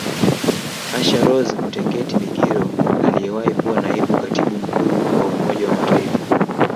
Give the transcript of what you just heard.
Asha Rose Mtengeti Migiro aliyewahi kuwa Naibu Katibu Mkuu wa Umoja wa Mataifa